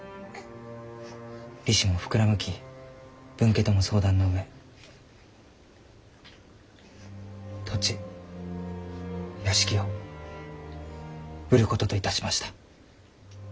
利子も膨らむき分家とも相談の上土地屋敷を売ることといたしました。